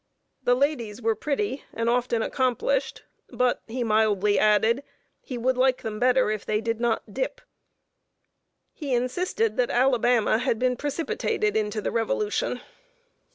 The ladies were pretty, and often accomplished, but, he mildly added, he would like them better if they did not "dip." He insisted that Alabama had been precipitated into the revolution.